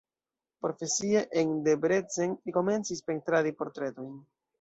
Profesie en Debrecen komencis pentradi portretojn.